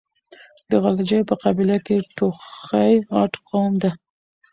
د غلجيو په قبيله کې توخي غټ قوم ده.